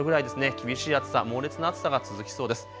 厳しい暑さ、猛烈な暑さが続きそうです。